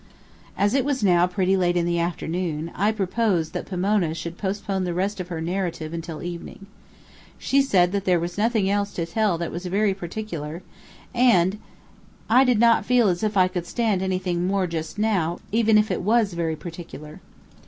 As it was now pretty late in the afternoon, I proposed that Pomona should postpone the rest of her narrative until evening. She said that there was nothing else to tell that was very particular; and I did not feel as if I could stand anything more just now, even if it was very particular.